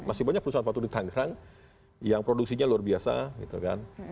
masih banyak perusahaan sepatu di tangerang yang produksinya luar biasa gitu kan